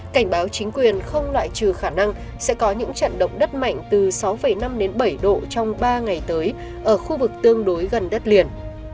cảnh báo chính quyền không loại trừ khả năng sẽ có những trận động đất mạnh từ sáu năm đến bảy độ trong ba ngày tới ở khu vực tương đối gần đất liền